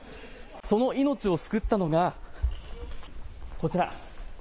その命を救ったのがこちら。